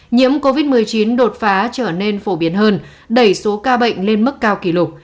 nhiễm covid một mươi chín đột phá trở nên phổ biến hơn đẩy số ca bệnh lên mức cao kỷ lục